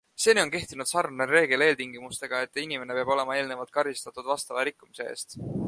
Seni on kehtinud sarnane reegel eeltingimusega, et inimene peab olema eelnevalt karistatud vastava rikkumise eest.